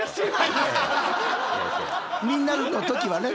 みんなの時はね。